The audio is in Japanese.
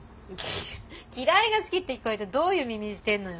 嫌いが好きって聞こえてどういう耳してんのよ。